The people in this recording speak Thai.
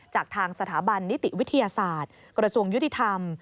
จากทางสถาบันนิติวิทยาศาสตร์กระทรวงยุติธรรม